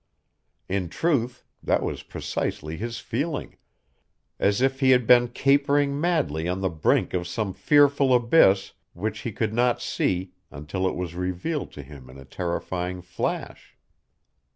In truth that was precisely his feeling, as if he had been capering madly on the brink of some fearful abyss which he could not see until it was revealed to him in a terrifying flash.